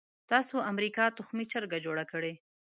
تاسو امریکې تخمي چرګه جوړه کړې.